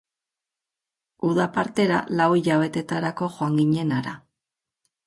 Uda partera lau hilabeterako joan ginen hara.